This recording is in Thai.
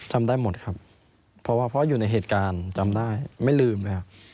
จำได้หมดครับเพราะว่าพ่ออยู่ในเหตุการณ์จำได้ไม่ลืมเลยครับ